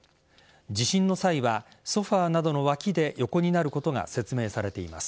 地震の際は、ソファーなどの脇で横になることが説明されています。